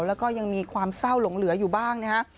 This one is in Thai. แล้วก็ยังมีความเศร้าหลงเหลืออยู่บ้างนะฮะ